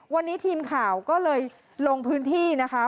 วันนี้ทีมข่าวก็เลยลงพื้นที่นะคะ